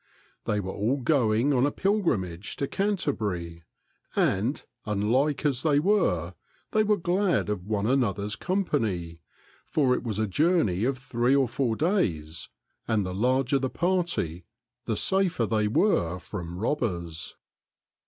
They were all going on a pilgrimage to Canter @t ^§e ^afiarb gun n bury; and, unlike as they were, they were glad of one another's company, for it was a journey of three or four days, and the larger the party the safer they were from robbers.